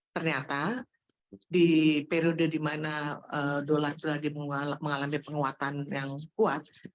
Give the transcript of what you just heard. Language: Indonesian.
ternyata di periode di mana dolar itu lagi mengalami penguatan yang kuat